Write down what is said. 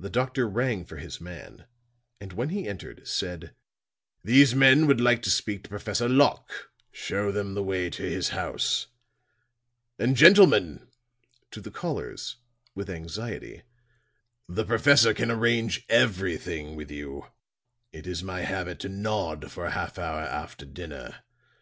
The doctor rang for his man, and when he entered, said: "These gentlemen would like to speak to Professor Locke. Show them the way to his house. And, gentlemen," to the callers, with anxiety, "the professor can arrange everything with you. It is my habit to nod for a half hour after dinner.